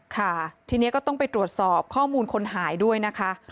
ค่ะทีนี้ก็ต้องไปตรวจสอบข้อมูลคนหายด้วยนะคะ